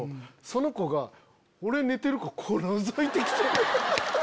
その子が俺寝てるかこうのぞいて来て。